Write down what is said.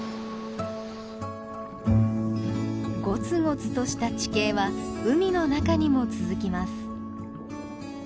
ゴツゴツとした地形は海の中にも続きます。